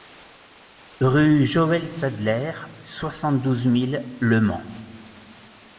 Rue Joël Sadeler, soixante-douze mille Le Mans